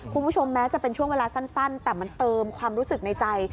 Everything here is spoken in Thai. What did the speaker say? คุณผู้ชมแม้จะเป็นช่วงเวลาสั้นแต่มันเติมความรู้สึกในใจ